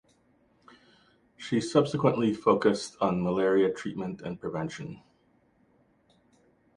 She subsequently focused on malaria treatment and prevention.